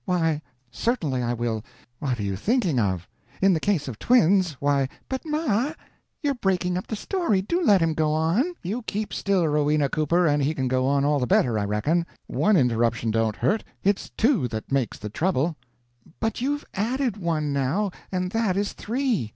Why, certainly I will; what are you thinking of! In the case of twins, why " "But, ma, you're breaking up the story do let him go on." "You keep still, Rowena Cooper, and he can go on all the better, I reckon. One interruption don't hurt, it's two that makes the trouble." "But you've added one, now, and that is three."